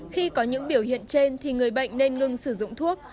khi có những biểu hiện trên thì người bệnh nên ngưng sử dụng thuốc